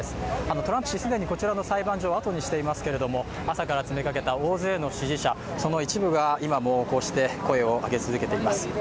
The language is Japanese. トランプ氏、既にこちらの裁判所を後にしていますけれども朝から詰めかけた大勢の支持者、その一部が今もこうして声を上げ続けています。